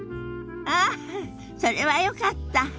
ああそれはよかった。